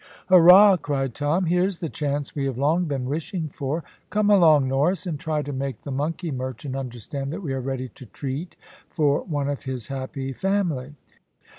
"Hurra!" cried Tom, "here's the chance we have long been wishing for. Come along, Norris, and try to make the monkey merchant understand that we are ready to treat for one of his happy family."